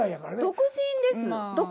独身ですよ。